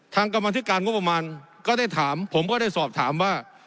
กรรมธิการงบประมาณก็ได้ถามผมก็ได้สอบถามว่า